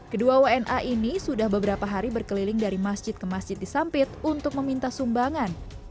kedua wna ini sudah beberapa hari berkeliling dari masjid ke masjid di sampit untuk meminta sumbangan